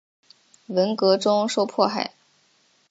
文革中受迫害。